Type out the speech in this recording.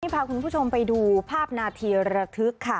พาคุณผู้ชมไปดูภาพนาทีระทึกค่ะ